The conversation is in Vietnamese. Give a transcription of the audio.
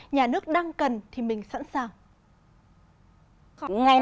nhà nước đang cần thì mình sẵn sàng